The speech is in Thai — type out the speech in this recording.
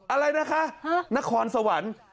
อะไรนะคะนครสวรรค์